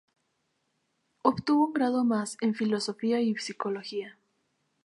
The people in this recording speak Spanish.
Obtuvo un grado más en la filosofía y psicología.